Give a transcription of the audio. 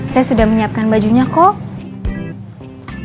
saya sudah menyiapkan bajunya kok